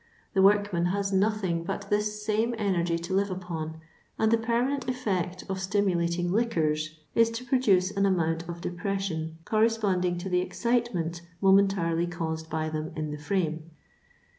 The workman has nothing but this same energy to live upon, and the permanent effect of stimulating liquors is to produce an amount of de* pression corresponding to the excitement momen tarily caused by them in the frame.